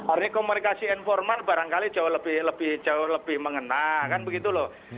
artinya komunikasi informal barangkali jauh lebih mengenal kan begitu loh